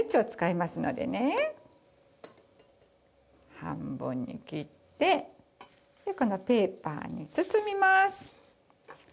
半分に切ってこのペーパーに包みます。